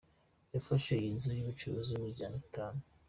Yafashe iyi nzu y’ubucuruzi y’imiryango itatu.